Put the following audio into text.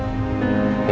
ini soal bela om